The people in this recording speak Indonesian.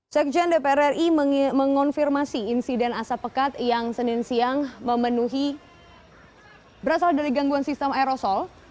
sekjen dpr ri mengonfirmasi insiden asap pekat yang senin siang memenuhi berasal dari gangguan sistem aerosol